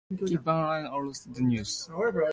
Keep an eye on the news.